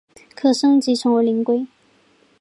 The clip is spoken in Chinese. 可升级成为灵龟。